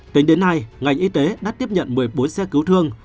tính đến nay ngành y tế đã tiếp nhận một mươi bốn xe cứu thương